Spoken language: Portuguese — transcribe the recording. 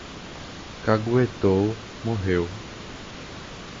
Caguetou, morreu